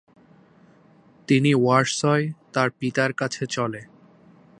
তিনি ওয়ার্সয় তার পিতার কাছে চলে